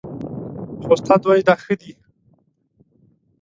خو استاد وايي دا ښه دي